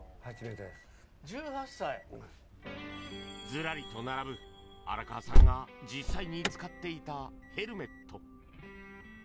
ずらりと並ぶ荒川さんが実際に使っていたヘルメット。